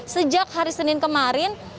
sejak hari senin kemarin